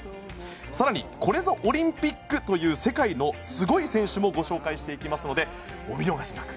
更にこれぞオリンピックという世界のすごい選手もご紹介しますのでお見逃しなく。